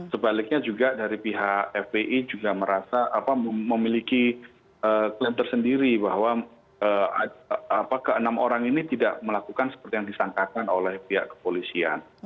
sebaliknya juga dari pihak fpi juga merasa memiliki klaim tersendiri bahwa ke enam orang ini tidak melakukan seperti yang disangkakan oleh pihak kepolisian